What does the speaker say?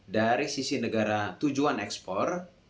dari sisi negara tujuan ekspor